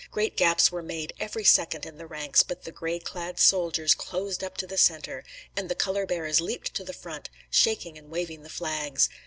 Great gaps were made every second in the ranks, but the gray clad soldiers closed up to the center, and the color bearers leaped to the front, shaking and waving the flags.